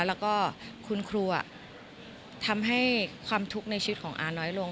แล้วก็คุณครูทำให้ความทุกข์ในชีวิตของอาน้อยลง